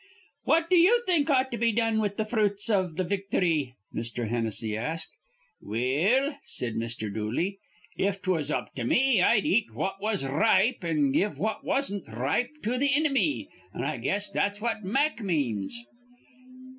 "What do you think ought to be done with th' fruits iv victhry?" Mr. Hennessy asked. "Well," said Mr. Dooley, "if 'twas up to me, I'd eat what was r ripe an' give what wasn't r ripe to me inimy. An' I guess that's what Mack means."